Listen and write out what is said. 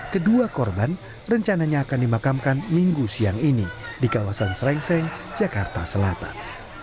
kedua korban rencananya akan dimakamkan minggu siang ini di kawasan serengseng jakarta selatan